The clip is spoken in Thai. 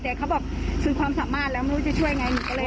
แต่เขาบอกสุดความสามารถแล้วไม่รู้จะช่วยไง